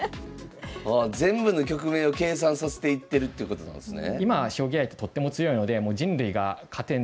ああ全部の局面を計算させていってるっていうことなんですね。